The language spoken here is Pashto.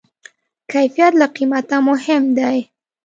کیفیت له قیمته مهم دی.